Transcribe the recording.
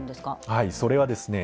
はいそれはですね